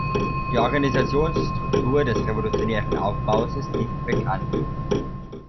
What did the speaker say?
Die Organisationsstruktur des Revolutionären Aufbaus ist nicht bekannt.